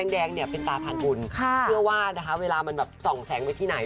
แดงเนี่ยเป็นตาพานบุญเชื่อว่านะคะเวลามันแบบส่องแสงไปที่ไหน